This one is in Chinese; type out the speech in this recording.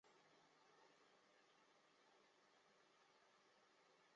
瓦尔卡布雷尔。